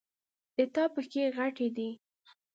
د تا پښې غټي دي